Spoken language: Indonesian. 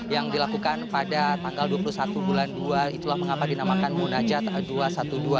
yang dilakukan pada tanggal dua puluh satu bulan dua itulah mengapa dinamakan munajat dua ratus dua belas